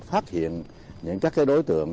phát hiện những các đối tượng